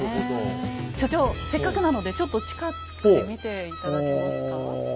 所長せっかくなのでちょっと近くで見て頂けますか？